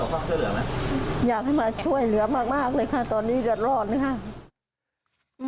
อยากให้มาช่วยเหลือมากเลยค่ะตอนนี้เรือดรอดเนี่ยค่ะ